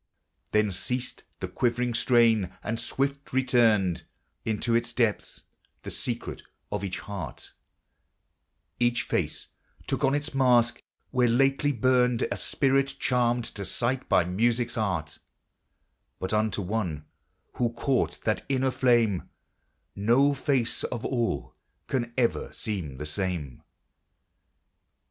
Then ceased the quivering strain, and swift returned Into its depths the secret of each heart ; Each face took on its mask, where lately burned A spirit charmed to sight by music's art ; But unto one who caught that inner flame No face of all can ever seem the same.